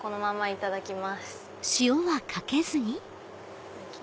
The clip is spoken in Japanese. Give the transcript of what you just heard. いただきます。